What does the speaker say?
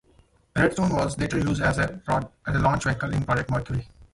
Redstone was later used as a launch vehicle in Project Mercury.